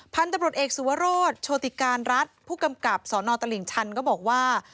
พันธุ์ตำรวจเอกสุวรสโชติการรัฐผู้กำกับสนตลิ่งชันก็บอกว่า